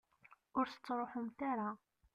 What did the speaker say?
Ur tettruḥumt ara.